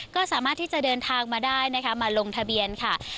ก็สามารถที่จะเดินทางมาได้นะคะมาลงทะเบียนค่ะ